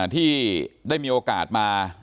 ที่ได้มีโอกาสมา